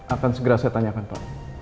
akan segera saya tanyakan pak